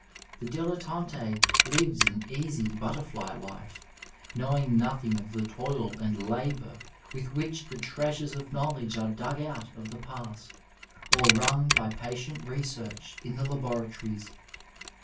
The dilettante lives an easy, butterfly life, knowing nothing of the toil and labour with which the treasures of knowledge are dug out of the past, or wrung by patient research in the laboratories.